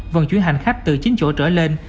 vẫn chuyển hành khách từ chính chỗ trở lên